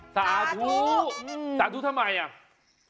สาธุสาธุทำไม